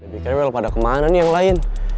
dabikinnya belom pada kemana nih yang lain